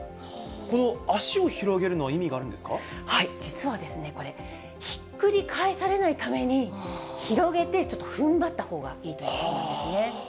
この足を広げるのは意味があ実はですね、これ、ひっくり返されないために、広げて、ちょっとふんばったほうがいいということなんですね。